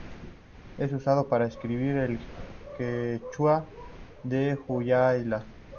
Es usado para escribir el quechua de Huaylas.